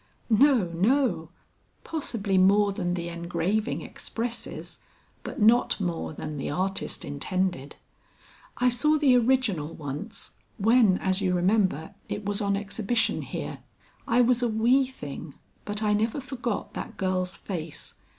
"No, no; possibly more than the engraving expresses, but not more than the artist intended. I saw the original once, when as you remember it was on exhibition here. I was a wee thing, but I never forgot that girl's face.